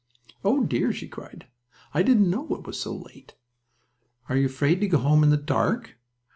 "Oh! dear!" she cried, "I didn't know it was so late." "Are you afraid to go home in the dark?"